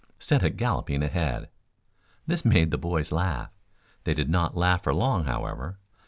sent it galloping ahead. This made the boys laugh. They did not laugh for long, however.